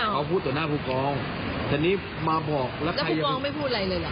เขาพูดต่อหน้าผู้กองทีนี้มาบอกแล้วก็ผู้กองไม่พูดอะไรเลยเหรอ